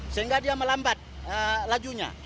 sehingga dia melambat lajunya